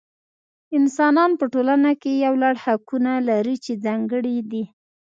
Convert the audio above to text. انسانان په ټولنه کې یو لړ حقونه لري چې ځانګړي دي.